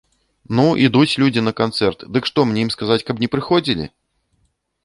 Ну, ідуць людзі на канцэрт, дык што мне ім сказаць, каб не прыходзілі?